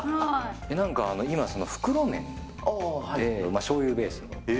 なんか今、袋麺で、しょうゆベースの。